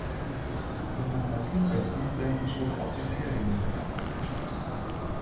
We moatte knyppunten dêr't in soad otters deariden wurde, oplosse.